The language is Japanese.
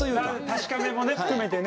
確かめもね含めてね。